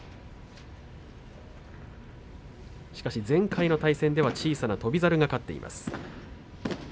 しかし、前回の対戦では小さな翔猿が勝っています。